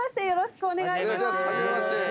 よろしくお願いします。